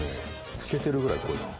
透けてるぐらい濃いな。